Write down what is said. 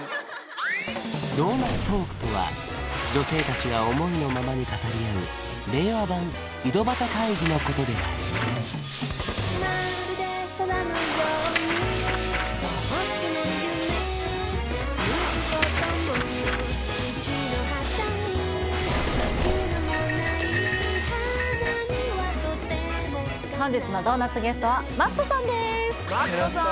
ドーナツトークとは女性達が思いのままに語り合う令和版井戸端会議のことである本日のドーナツゲストはＭａｔｔさんです